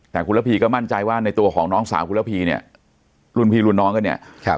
แต่คุณระพีก็มั่นใจว่าในตัวของน้องสาวคุณระพีเนี่ยรุ่นพี่รุ่นน้องกันเนี่ย